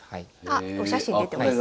あっお写真出てますね。